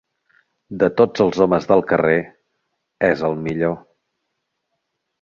De tots els homes del carrer, és el millor.